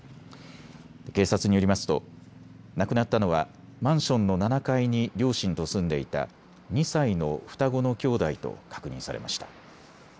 警察によりますと亡くなったのはマンションの７階に両親と住んでいた２歳の双子の兄弟と確認されました。